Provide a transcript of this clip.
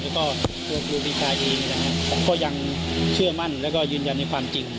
ก็กระทั่งอีกและก็เชื่อมั่นแต่ก็ยืนยันในความจริง